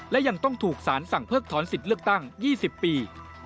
และยังต้องถูกสารสั่งเพิกถอนสิทธิ์เลือกตั้ง๒๐ปี